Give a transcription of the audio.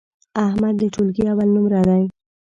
احمد د ټولگي اول نمره دی.